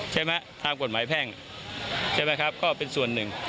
ตามกฎหมายแพ่งใช่ไหมครับก็เป็นส่วนหนึ่ง